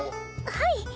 はい。